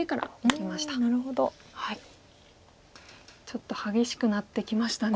ちょっと激しくなってきましたね。